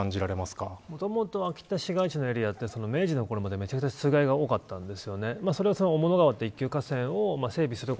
もともと秋田市街地のエリアって明治のころまで無茶苦茶水害が多かったんです。